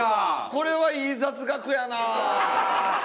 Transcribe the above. これはいい雑学やな！